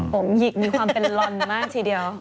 ผมหยิกมีความเป็นลอนมากทีเดียว